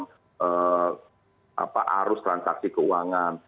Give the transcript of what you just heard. itu biasa terjadi dalam arus transaksi keuangan